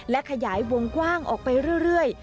และขยายวงกว้างออกไปเรื่อย